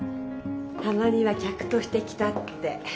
たまには客として来たって。